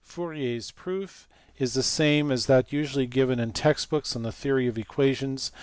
Fourier s proof is the same as that usually given in text books on the theory of equations.